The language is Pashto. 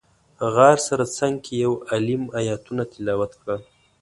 غار سره څنګ کې یو عالم ایتونه تلاوت کړل.